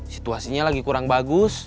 situasinya lagi kurang bagus